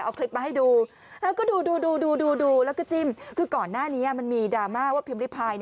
เอาคลิปมาให้ดูแล้วก็ดูดูแล้วก็จิ้มคือก่อนหน้านี้มันมีดราม่าว่าพิมพิพาย